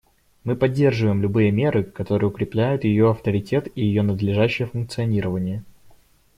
Мы поддерживаем любые меры, которые укрепляют ее авторитет и ее надлежащее функционирование.